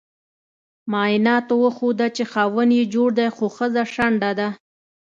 معایناتو وخوده چې خاوند یي جوړ دې خو خځه شنډه ده